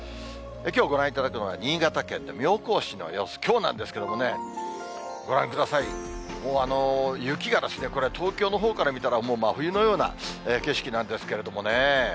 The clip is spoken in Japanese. きょうご覧いただくのは、新潟県の妙高市の様子、きょうなんですけどね、ご覧ください、もう雪がこれ、東京のほうから見たらもう真冬のような景色なんですけれどもね。